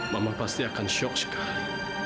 mama pasti akan shock sekali